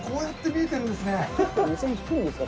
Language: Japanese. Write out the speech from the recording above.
目線低いんですか？